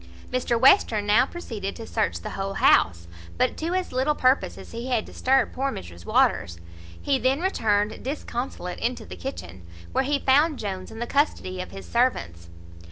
Mr Western now proceeded to search the whole house, but to as little purpose as he had disturbed poor Mrs Waters. He then returned disconsolate into the kitchen, where he found Jones in the custody of his servants.